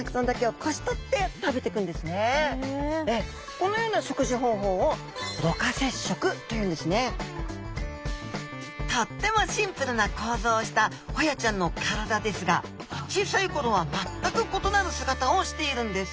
このような食事方法をとってもシンプルな構造をしたホヤちゃんの体ですが小さい頃は全く異なる姿をしているんです。